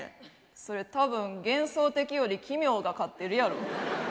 それ多分幻想的より奇妙が勝ってるやろ。